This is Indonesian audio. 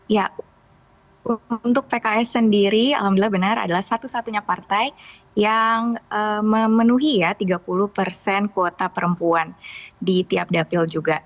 ya untuk pks sendiri alhamdulillah benar adalah satu satunya partai yang memenuhi ya tiga puluh persen kuota perempuan di tiap dapil juga